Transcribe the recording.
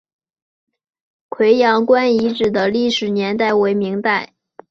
葵阳关遗址的历史年代为明代。